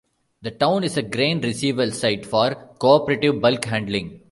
The town is a grain receival site for Cooperative Bulk Handling.